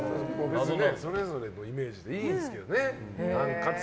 それぞれのイメージでいいですけどね。